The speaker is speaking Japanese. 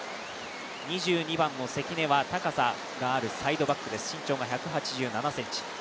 ２２番の関根は高さのあるサイドバックです、身長は１８７ｃｍ。